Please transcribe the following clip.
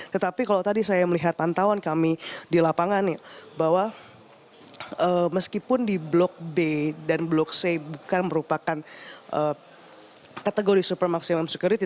tetapi kalau tadi saya melihat pantauan kami di lapangan bahwa meskipun di blok b dan blok c bukan merupakan kategori super maksimum security